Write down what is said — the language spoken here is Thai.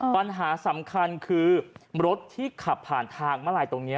ปัญหาสำคัญคือรถที่ขับผ่านทางมาลายตรงนี้